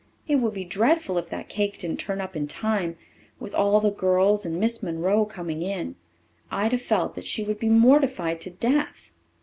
It would be dreadful if that cake didn't turn up in time, with all the girls and Miss Monroe coming in. Ida felt that she would be mortified to death.